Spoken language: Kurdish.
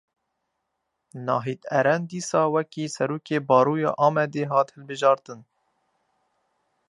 Nahit Eren dîsa wekî Serokê Baroya Amedê hat hilbijartin.